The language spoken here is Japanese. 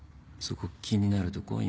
そこ気になるとこ？